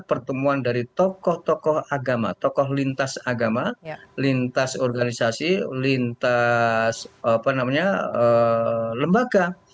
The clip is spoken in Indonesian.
pertemuan dari tokoh tokoh agama tokoh lintas agama lintas organisasi lintas lembaga